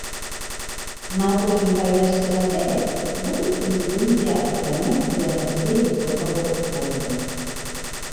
На апошнім паверсе гатэля будуць прэзідэнцкія апартаменты для гасцей высокага ўзроўню.